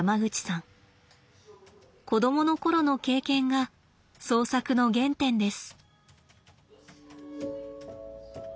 子供の頃の経験が創作の原点です。